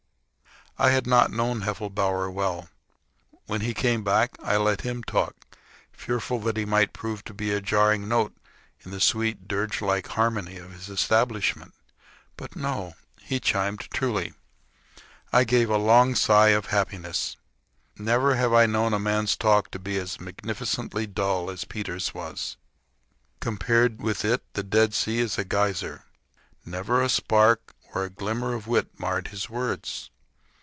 I had not known Heffelbower well. When he came back, I let him talk, fearful that he might prove to be a jarring note in the sweet, dirgelike harmony of his establishment. But, no. He chimed truly. I gave a long sigh of happiness. Never have I known a man's talk to be as magnificently dull as Peter's was. Compared with it the Dead Sea is a geyser. Never a sparkle or a glimmer of wit marred his words.